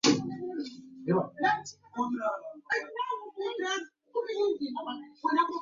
The company is headquartered in New York.